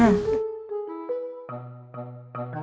hanya teh aja